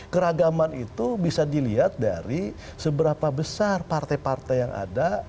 keragaman itu bisa dilihat dari seberapa besar partai partai yang ada